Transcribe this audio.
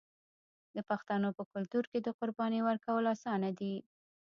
د پښتنو په کلتور کې د قربانۍ ورکول اسانه دي.